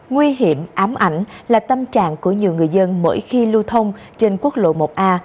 nguy hiểm ám ảnh là tâm trạng của nhiều người dân mỗi khi lưu thông trên quốc lộ một a